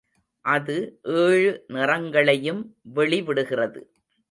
அது ஏழு நிறங்களையும் வெளிவிடுகிறது.